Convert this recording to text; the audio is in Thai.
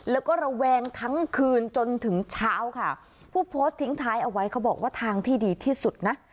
แล้วก็ระแวงทั้งคืนจนถึงเช้าค่ะผู้โพสต์ทิ้งท้ายเอาไว้เขาบอกว่าทางที่ดีที่สุดนะ